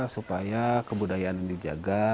supaya kebudayaan yang dijaga